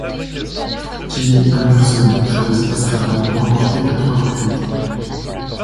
Gene Henderson et Travis Pastrana l'ont remportée à trois reprises.